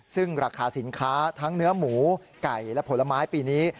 ซึ่งราคาสินค้าทั้งเนื้อหมูไก่และผลไม้ปีนี้